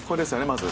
まず。